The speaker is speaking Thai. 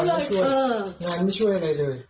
ยังไม่ช่วยอะไรเลย